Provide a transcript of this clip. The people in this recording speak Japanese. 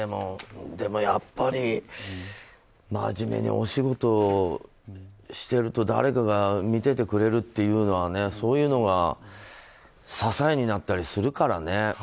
でもやっぱり真面目にお仕事してると誰かが見ててくれるっていうのはそういうのが支えになったりするからね。